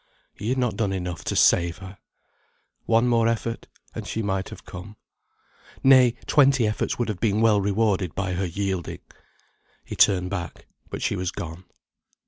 He had not done enough to save her. One more effort, and she might have come. Nay, twenty efforts would have been well rewarded by her yielding. He turned back, but she was gone.